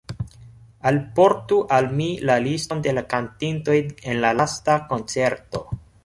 Alportu al mi la liston de la kantintoj en la lasta koncerto.